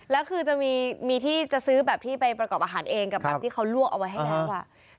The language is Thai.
แล้วคือจะมีที่จะซื้อแบบที่ไปประกอบอาหารเองกับแบบที่เขาลวกเอาไว้ให้แล้ว